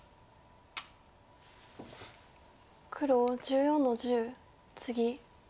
黒１４の十ツギ。